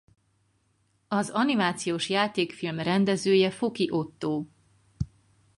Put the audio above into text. Az animációs játékfilm rendezője Foky Ottó.